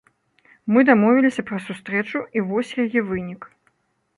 Мы дамовіліся пра сустрэчу, і вось яе вынік.